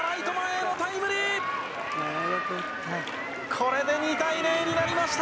これで２対０になりました。